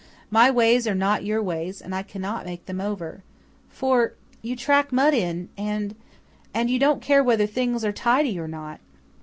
My ways are not your ways and I cannot make them over. For you track mud in and and you don't care whether things are tidy or not."